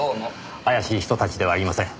怪しい人たちではありません。